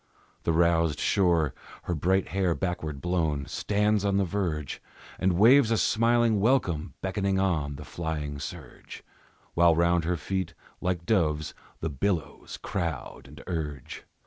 The roused shore, her bright hair backward blown, Stands on the verge And waves a smiling welcome, beckoning on The flying surge, While round her feet, like doves, the billows crowd and urge.